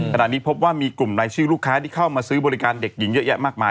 ขณะนี้พบว่ามีกลุ่มรายชื่อลูกค้าที่เข้ามาซื้อบริการเด็กหญิงเยอะแยะมากมาย